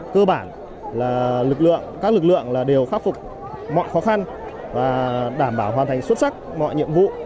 cơ bản là các lực lượng đều phát phục mọi khó khăn và đảm bảo hoàn thành xuất sắc mọi nhiệm vụ